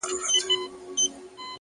• په خندا پاڅي په ژړا يې اختتام دی پيره،